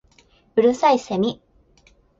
五月蠅いセミ